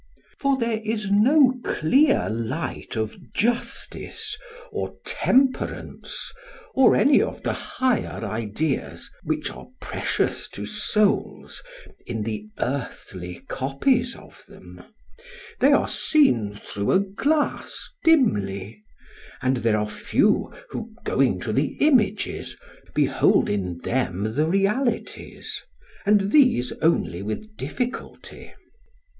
For there is no clear light of justice or temperance, or any of the higher ideas which are precious to souls, in the earthly copies of them: they are seen through a glass dimly; and there are few who, going to the images, behold in them the realities, and these only with difficulty.